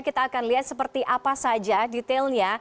kita akan lihat seperti apa saja detailnya